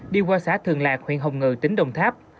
đi qua xã thường lạc huyện hồng ngự tỉnh đồng tháp